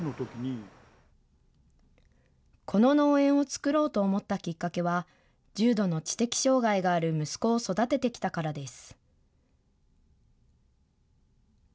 この農園を作ろうと思ったきっかけは、重度の知的障害がある息子を育ててきたからです。